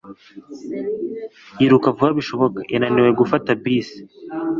Yiruka vuba bishoboka, yananiwe gufata bisi.